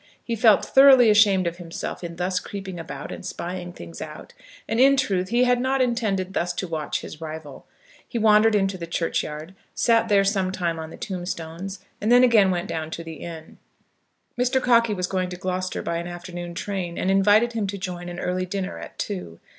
He felt thoroughly ashamed of himself in thus creeping about, and spying things out, and, in truth, he had not intended thus to watch his rival. He wandered into the churchyard, sat there sometime on the tombstones, and then again went down to the inn. Mr. Cockey was going to Gloucester by an afternoon train, and invited him to join an early dinner at two.